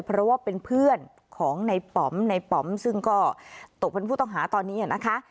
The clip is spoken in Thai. เพราะว่าเป็นเพื่อนของในป๋อมในป๋อมซึ่งก็ตกเป็นผู้ต้องหาตอนนี้นะคะ